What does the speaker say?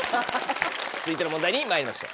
続いての問題にまいりましょう。